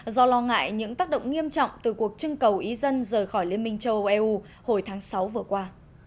do lo ngại những tác động nghiêm trọng từ cuộc trưng cầu ý dân rời khỏi liên minh châu âu eu hồi tháng sáu vừa qua